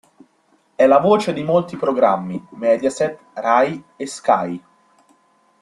È la voce di molti programmi Mediaset, Rai e Sky.